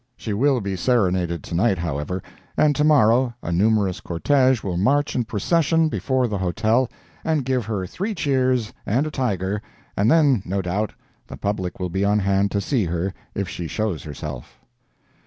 She will be serenaded tonight, however, and tomorrow a numerous cortege will march in procession before the hotel and give her three cheers and a tiger, and then, no doubt, the public will be on hand to see her if she shows herself.